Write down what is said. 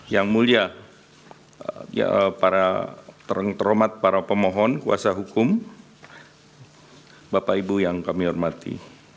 yang mulia para terhormat para pemohon kuasa hukum bapak ibu yang kami hormati